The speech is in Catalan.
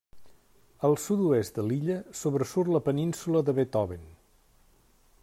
Al sud-oest de l'illa sobresurt la península de Beethoven.